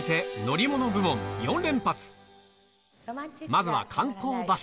まずは観光バス。